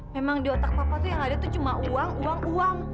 memang di otak papa tuh yang ada tuh cuma uang uang uang